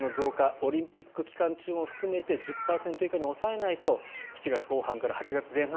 オリンピック期間中も含めて１０％以下に抑えないと７月後半から８月前半